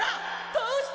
どうして？